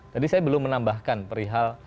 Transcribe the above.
tadi saya belum menambahkan perihal